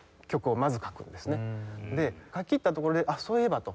で書ききったところで「あっそういえば」と。